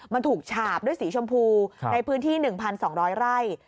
มันถูกฉาบด้วยสีชมพูในพื้นที่๑๒๐๐ไร่